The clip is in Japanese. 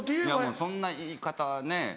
そんな言い方ねぇ。